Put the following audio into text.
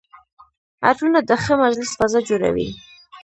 عطرونه د ښه مجلس فضا جوړوي.